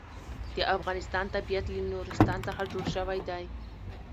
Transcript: د افغانستان طبیعت له نورستان څخه جوړ شوی دی.